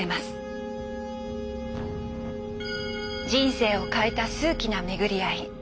人生を変えた数奇な巡り会い。